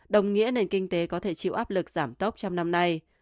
đồng nghĩa nền kinh tế có thể chịu áp lực giảm tốc trong năm nay